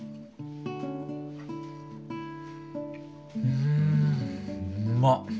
うんうまっ。